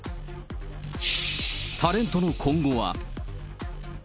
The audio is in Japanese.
タレントの今後は？